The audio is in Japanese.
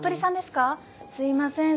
すいません